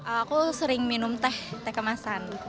aku sering minum teh teh kemasan